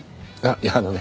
いやあのね